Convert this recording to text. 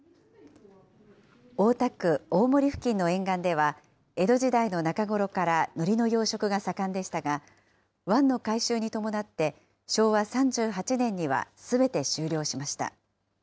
大田区大森付近の沿岸では、江戸時代の中頃からのりの養殖が盛んでしたが、湾の改修に伴って、昭和３８年にはすべて終了しました。